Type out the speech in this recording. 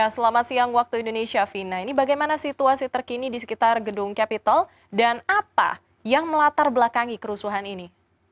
selamat siang waktu indonesia vina ini bagaimana situasi terkini di sekitar gedung capitol dan apa yang melatar belakangi kerusuhan ini